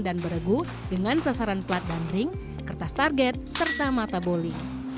dan beregu dengan sasaran plat dan ring kertas target serta mata boli